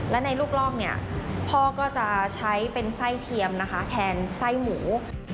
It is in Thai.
และในลูกรอกพอก็จะใช้ใส่เทียมแทนใส่หมู